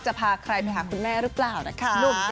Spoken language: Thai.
จะพาใครไปหาคุณแม่หรือเปล่านะคะ